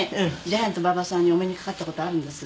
ジャイアント馬場さんにお目にかかった事あるんです。